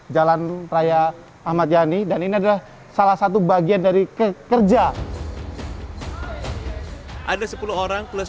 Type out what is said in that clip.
jalan raya ahmad yani dan ini adalah salah satu bagian dari kerja ada sepuluh orang plus